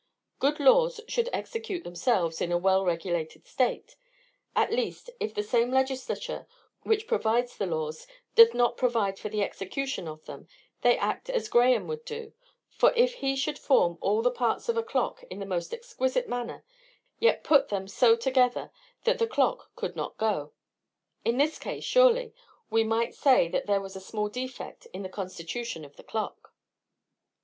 Good laws should execute themselves in a well regulated state; at least, if the same legislature which provides the laws doth not provide for the execution of them, they act as Graham would do, if he should form all the parts of a clock in the most exquisite manner, yet put them so together that the clock could not go. In this case, surely, we might say that there was a small defect in the constitution of the clock.